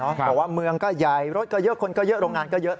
บอกว่าเมืองก็ใหญ่รถก็เยอะคนก็เยอะโรงงานก็เยอะ